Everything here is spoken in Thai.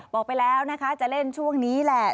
บอกไปแล้วนะคะจะเล่นช่วงนี้แหละ